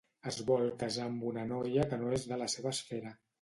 Es vol casar amb una noia que no és de la seva esfera.